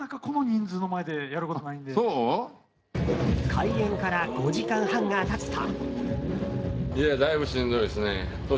開演から５時間半が経つと。